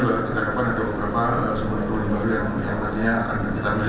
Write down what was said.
sepanjang tahun dua ribu dua puluh tiga telkom indonesia memiliki kinerja positif dengan laba ditahan